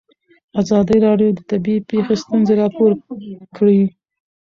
ازادي راډیو د طبیعي پېښې ستونزې راپور کړي.